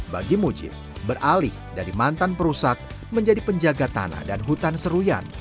bagi mujib beralih dari mantan perusak menjadi penjaga tanah dan hutan seruyan